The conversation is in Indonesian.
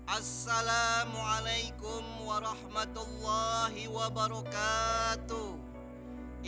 assalamualaikum warahmatullahi wabarakatuh